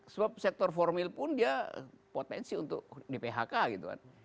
sebab sektor formil pun dia potensi untuk di phk gitu kan